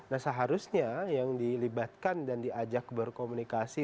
nah seharusnya yang dilibatkan dan diajak berkomunikasi